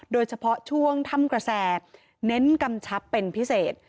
โดยเฉพาะช่วงถ้ำกระแสเน้นกำชับเป็นพิเศษ